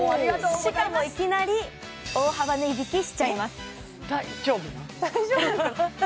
しかもいきなり大幅値引きしちゃいますえっ